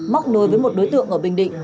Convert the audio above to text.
móc nối với một đối tượng ở bình định